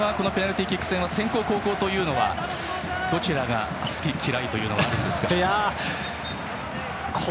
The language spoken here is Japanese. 中村さんはこのペナルティーキック戦は先攻、後攻というのはどちらが好き嫌いというのはあるんですか？